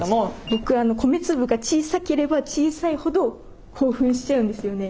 僕米粒が小さければ小さいほど興奮しちゃうんですよね。